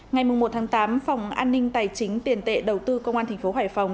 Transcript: ngày một tám phòng an ninh tài chính tiền tệ đầu tư công an tp hải phòng